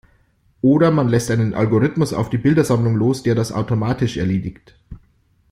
Oder man lässt einen Algorithmus auf die Bildersammlung los, der das automatisch erledigt.